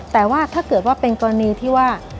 แต่ว่าถ้าเกิดว่าเป็นกรณีที่ว่า